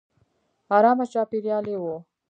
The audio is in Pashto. ارامه چاپېریال یې و.